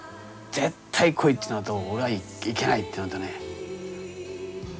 「絶対来い！」っていうのと「俺は行けない」っていうのとね。